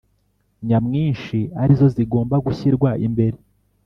nyamwinshi ari zo zigomba gushyirwa imbere.